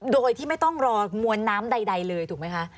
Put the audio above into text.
โดยที่ไม่ต้องรอมวลน้ำใดเลยถูกไหมคะ